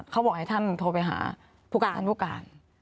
เขาบอกให้ท่านโทรไปหาผู้การ